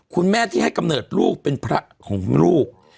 คุณแม่ที่ให้กำเนิดลูกเป็นพระของลูก